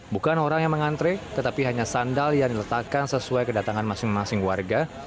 bukan orang yang mengantre tetapi hanya sandal yang diletakkan sesuai kedatangan masing masing warga